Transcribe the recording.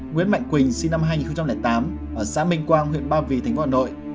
nguyễn mạnh quỳnh sinh năm hai nghìn tám ở xã minh quang huyện ba vì thánh vọ nội